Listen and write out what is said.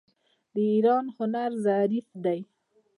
د ایران هنر ظریف دی.